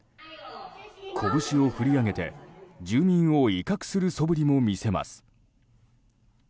拳を振り上げて住民を威嚇するそぶりを見せます。